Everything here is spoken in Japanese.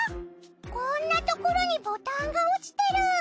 こんなところにボタンが落ちてる。